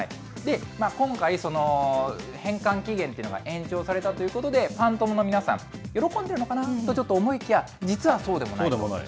今回、その返還期限っていうのが延長されたということで、パン友の皆さん、喜んでるのかなとちょっと思いきや、実はそうでもない。